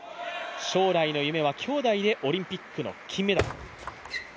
将来の夢は兄弟でオリンピックの金メダル。